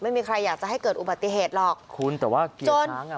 ไม่มีใครอยากจะให้เกิดอุบัติเหตุหรอกคุณแต่ว่ากี่ครั้งอ่ะ